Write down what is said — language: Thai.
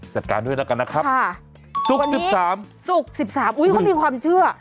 จัดการด้วยแล้วกันนะครับศุกร์๑๓ศุกร์๑๓อุ้ยเขามีความเชื่อ